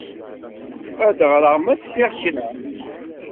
Ad d-ɣreɣ ma sliɣ kra.